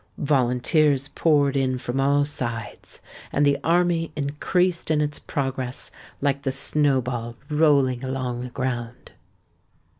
Volunteers poured in from all sides; and the army increased in its progress, like the snowball rolling along the ground.